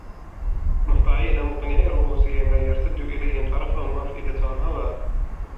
مهطعين مقنعي رءوسهم لا يرتد إليهم طرفهم وأفئدتهم هواء